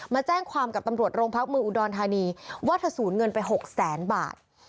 มาแจ้งความกับตำรวจโรงพักเมืองอุดรธานีว่าเธอสูญเงินไป๖แสนบาท